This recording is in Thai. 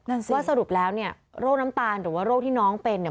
ว่าสรุปแล้วเนี่ยโรคน้ำตาลหรือว่าโรคที่น้องเป็นเนี่ย